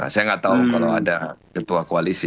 saya nggak tahu kalau ada ketua koalisi